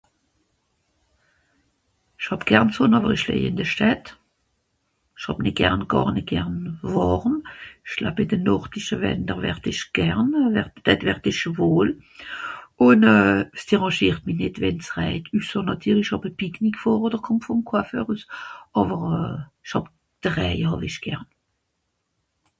esch hàb gern sonn àwer esch leij ìn de schät esch hàb nìt gern gàr nìt gern wàrm esch'gleub ìn de nordische Länder wert'esch gern wer det wert esch voll un euh s'dérangiertm'i nìt wenn's reijt üsser nàtirli esch'hàb a pique nique vor oder kommt vom Coiffeur rüss àwer euh esch hàb d'reije haw'esch gern